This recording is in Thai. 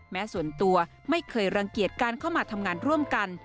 แม้ส่วนตัวไม่เคยรังเกียจการเข้ามาทำงานร่วมกัน